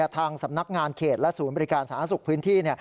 ทางสำนักงานเขตและศูนย์บริการสาธารณสุขพื้นที่